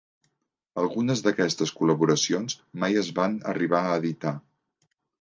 Algunes d'aquestes col·laboracions mai es van arribar a editar.